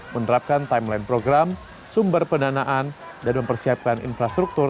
menerapkan timeline program sumber pendanaan dan mempersiapkan infrastruktur